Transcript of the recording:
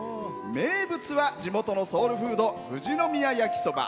名物は、地元のソウルフード富士宮やきそば。